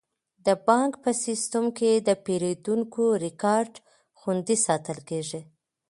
د بانک په سیستم کې د پیرودونکو ریکارډ خوندي ساتل کیږي.